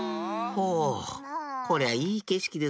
ほうこりゃいいけしきですねえ。